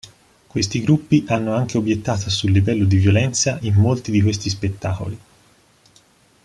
Questi gruppi hanno anche obiettato sul livello di violenza in molti di questi spettacoli.